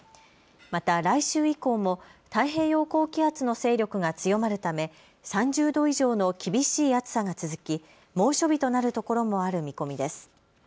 また来週以降も太平洋高気圧の勢力が強まるため、３０度以上の厳しい暑さが続き、猛暑日となるところもある見込みです。